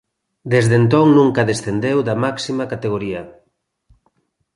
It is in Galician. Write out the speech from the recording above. Desde entón nunca descendeu da máxima categoría.